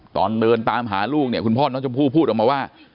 ตอนเดินตามหาลูกพ่อน้องชมพู่พูดออกมาว่า